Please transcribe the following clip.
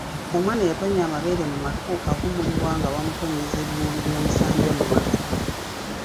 Omwana eyatonnya amabeere mu matu avumulibwa nga bamutonnyeza ebimuli by’omusambya mu matu.